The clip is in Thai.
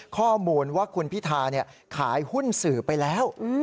ข้อมูลว่าคุณพิธาขายหุ้นสื่อไปแล้ว